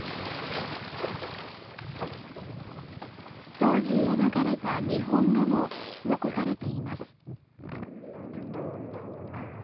当時、描かれた日本画も残されています。